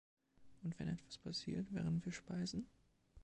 Und wenn etwas passiert, während wir speisen?